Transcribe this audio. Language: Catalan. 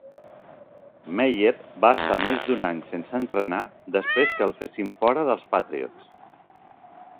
Meyer va estar més d'un any sense entrenar després que el fessin fora del Patriots.